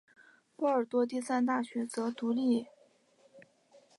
波尔多第三大学则保持独立。